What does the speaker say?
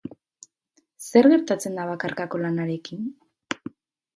Zer gertatzen da bakarkako lanarekin?